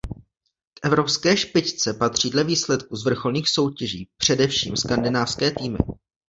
K evropské špičce patří dle výsledků z vrcholných soutěží především skandinávské týmy.